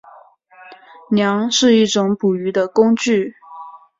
梁是一种捕鱼的工具。